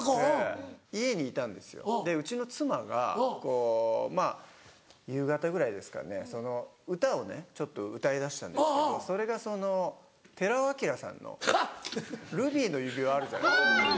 家にいたんですよでうちの妻がまぁ夕方ぐらいですかね歌をねちょっと歌い出したんですけどそれが寺尾聰さんの『ルビーの指環』あるじゃないですか。